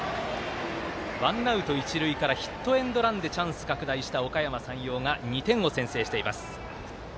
ワンアウト、一塁からヒットエンドランでチャンス拡大したおかやま山陽が２点を先制しています。